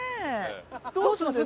どうします？